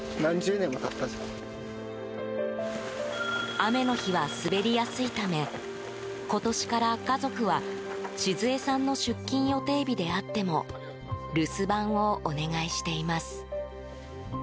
雨の日は滑りやすいため今年から家族は静恵さんの出勤予定日であっても留守番をお願いしています。